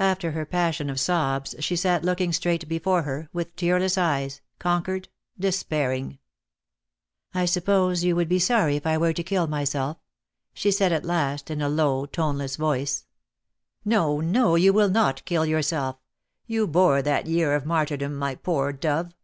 After her passion of sobs she sat looking straight before her, with tearless eyes, conquered — despairing. "I suppose you would be sorry if I were to kill myself," she said at last, in a low toneless voice. 262 DEAD LOVE HAS CHAINS. "No, no; you will not kill yourself. You bore that year of martyrdom, my poor dove.